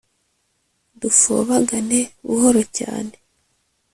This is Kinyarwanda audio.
Dufobagane buhoro cyane